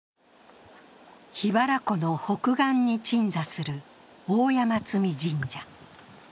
桧原湖の北岸に鎮座する大山祇神社。